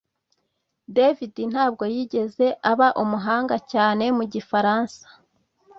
David ntabwo yigeze aba umuhanga cyane mu gifaransa